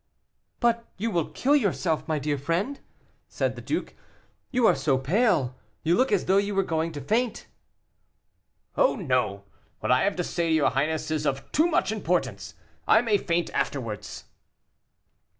"But you will kill yourself, my dear friend," said the duke; "you are so pale, you look as though you were going to faint." "Oh, no; what I have to say to your highness is of too much importance; I may faint afterwards."